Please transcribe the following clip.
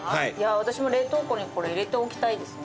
私も冷凍庫にこれ入れておきたいですね。